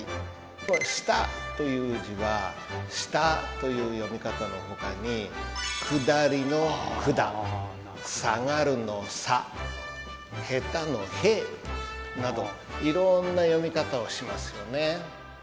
この「下」という字は「した」という読み方のほかに「下り」の「くだ」「下がる」の「さ」「下手」の「へ」などいろんな読み方をしますよね。